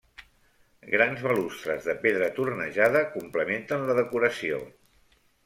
Grans balustres de pedra tornejada complementen la decoració.